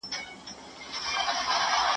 چې څنګه په سختو شرایطو کې غوره کار وشي.